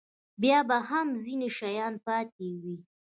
بیا به هم ځینې شیان پاتې وي.